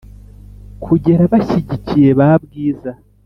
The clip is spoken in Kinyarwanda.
kugera bashyikiye ba bwiza